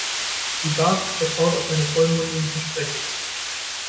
Die Basis vertraut auf seine vollmundigen Versprechen.